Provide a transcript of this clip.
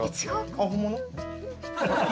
あっ本物？